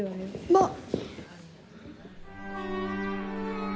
まあ！